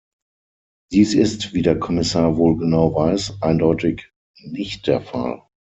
Dies ist, wie der Kommissar wohl genau weiß, eindeutig nicht der Fall.